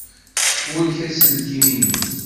Tesfurek aselkim-nnes.